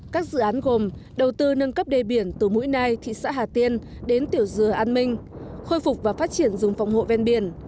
các dự án gồm đầu tư nâng cấp đê biển từ mũi nai thị xã hà tiên đến tiểu dừa an minh khôi phục và phát triển dùng phòng hộ ven biển